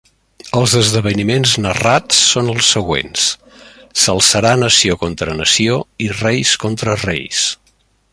Els esdeveniments narrats són els següents: s'alçarà nació contra nació i reis contra reis.